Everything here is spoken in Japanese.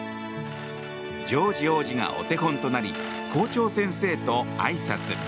ジョージ王子がお手本となり校長先生とあいさつ。